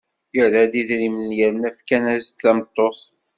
Yerra-d idrimen yerna fkan-as-d tameṭṭut.